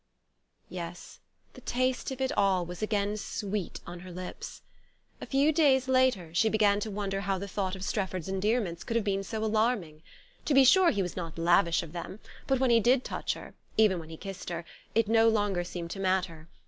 Yes: the taste of it all was again sweet on her lips. A few days later she began to wonder how the thought of Strefford's endearments could have been so alarming. To be sure he was not lavish of them; but when he did touch her, even when he kissed her, it no longer seemed to matter.